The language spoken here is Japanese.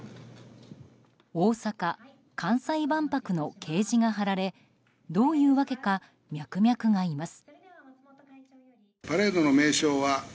大阪・関西万博の掲示が貼られどういうわけかミャクミャクがいます。